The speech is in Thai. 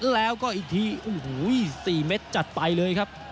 แล้วก็อีกทีโอ้โห๔เมตรจัดไปเลยครับ